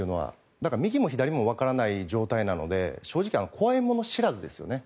だから右も左も分からない状態なので正直怖いもの知らずですよね。